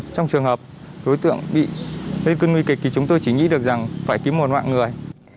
trong trường hợp đối tượng bị nguy kịch thì chúng tôi chỉ nghĩ được rằng phải kiếm một mạng người